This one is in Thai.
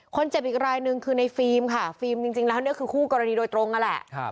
อีกรายหนึ่งคือในฟิล์มค่ะฟิล์มจริงแล้วเนี่ยคือคู่กรณีโดยตรงนั่นแหละ